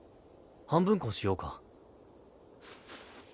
半分こしようか。